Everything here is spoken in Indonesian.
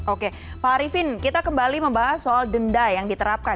oke pak arifin kita kembali membahas soal denda yang diterapkan